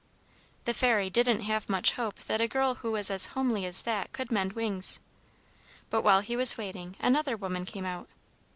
"The Fairy didn't have much hope that a girl who was as homely as that could mend wings. But while he was waiting, another woman came out.